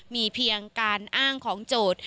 มีเพียงการอ้างของโจทย์